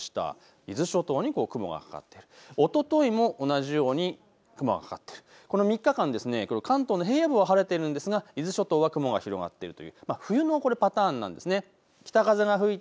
伊豆諸島に雲がかかっている、おとといも同じように雲がかかっている、この３日間は関東の平野部は晴れているんですが伊豆諸島は雲が広がっているという冬のパターンなんですね。